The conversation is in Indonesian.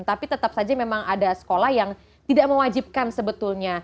tapi tetap saja memang ada sekolah yang tidak mewajibkan sebetulnya